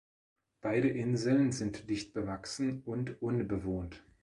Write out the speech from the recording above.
Beide Inseln sind dicht bewachsen und unbewohnt.